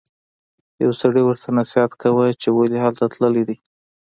یو سړي ورته نصیحت کاوه چې ولې هلته تللی دی.